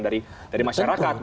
dari masyarakat begitu